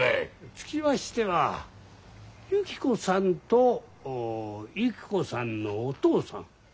つきましてはゆき子さんとゆき子さんのお義父さん。